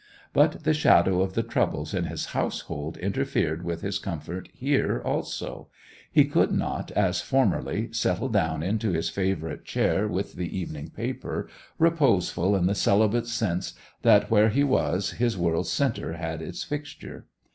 But the shadow of the troubles in his household interfered with his comfort here also; he could not, as formerly, settle down into his favourite chair with the evening paper, reposeful in the celibate's sense that where he was his world's centre had its fixture.